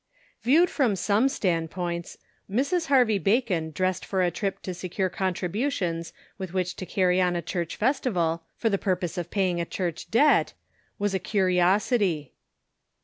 W sr^ IE WED from some standpoints, Mrs. Har vey Bacon dressed for a trip to secure contributions with which to carry on a church festival, for the purpose of paying a church debt, was a curiosity.